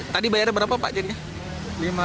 tadi bayarnya berapa pak jadinya